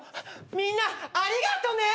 みんなありがとね！